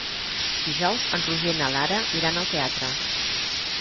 Dijous en Roger i na Lara iran al teatre.